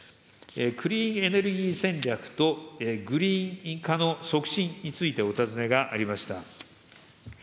クリーンエネルギー戦略とグリーン化の促進についてお尋ねがありました。